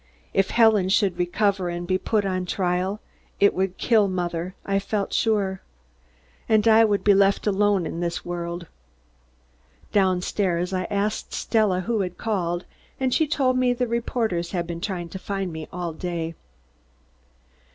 If Helen should recover and be put on trial, it would kill mother, I felt sure. And I would be left alone in the world. Down stairs, I asked Stella who had called, and she told me the reporters had been trying to find me all day.